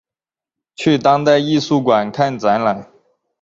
去当代艺术馆看展览